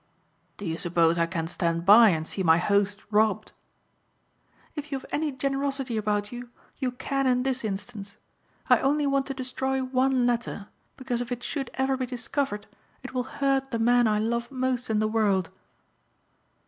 "Do you suppose I can stand by and see my host robbed?" "If you have any generosity about you you can in this instance. I only want to destroy one letter because if it should ever be discovered it will hurt the man I love most in the world."